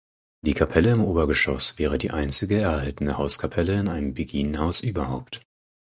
Die Kapelle im Obergeschoss wäre die einzige erhaltene Hauskapelle in einem Beginenhaus überhaupt.